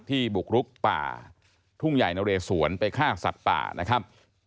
บุกรุกป่าทุ่งใหญ่นเรสวนไปฆ่าสัตว์ป่านะครับ